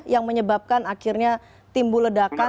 yang menyebabkan akhirnya timbul ledakan